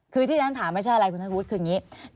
คือที่ฉันถามไม่ใช่อะไรคุณธวุฒิคืออย่างนี้